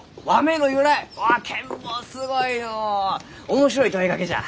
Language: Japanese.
面白い問いかけじゃ。